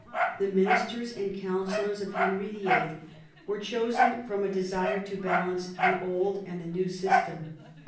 The ministers and coun sellors of Henry VIII. were chosen from a desire to balance the old and the new system.